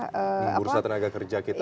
di bursa tenaga kerja kita